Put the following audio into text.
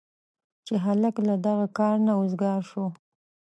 چې هلک له دغه کاره نه وزګار شو.